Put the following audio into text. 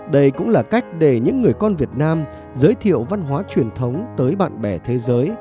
đây cũng là cách để những người con việt nam giới thiệu văn hóa truyền thống tới bạn bè thế giới